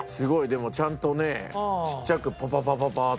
でもちゃんとねちっちゃくパパパパパーッと。